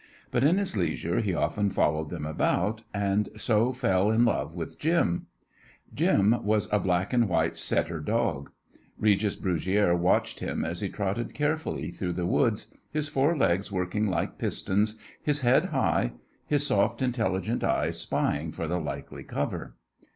But in his leisure he often followed them about, and so fell in love with Jim. Jim was a black and white setter dog. Regis Brugiere watched him as he trotted carefully through the woods, his four legs working like pistons, his head high, his soft, intelligent eyes spying for the likely cover.